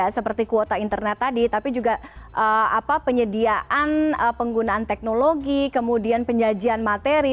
seperti kuota internet tadi tapi juga penyediaan penggunaan teknologi kemudian penyajian materi